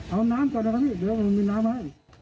เอาน้ำก่อนนะครับสิเดี๋ยวมันมีน้ำไหม